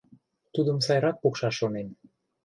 Тудым сайрак пукшаш шонем.